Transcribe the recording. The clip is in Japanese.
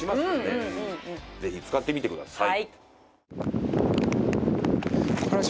西村：ぜひ使ってみてください。